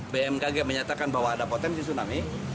bmkg menyatakan bahwa ada potensi tsunami